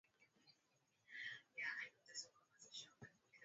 ili kuthibitisha taarifa hiyo